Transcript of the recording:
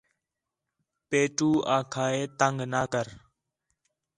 پیٹھو آکھا ہِے تنگ نہ کر